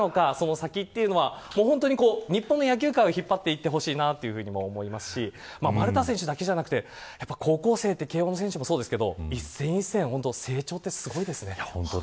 大学に行くのか、プロに行くのかその先というのは日本の野球界を引っ張っていってほしいというふうにも思いますし丸田選手だけじゃなくて高校生って、慶応の選手もそうですけど、一戦一戦成長がすごいですね。